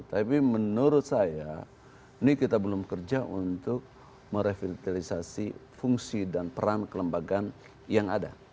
tapi menurut saya ini kita belum kerja untuk merevitalisasi fungsi dan peran kelembagaan yang ada